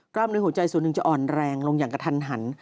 ในหัวใจส่วนหนึ่งจะอ่อนแรงลงอย่างกระทันหัน